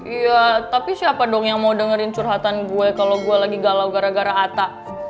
iya tapi siapa dong yang mau dengerin curhatan gue kalau gue lagi galau gara gara atta